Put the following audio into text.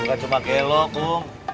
gak cuma gelok bung